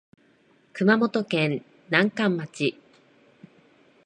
熊本県南関町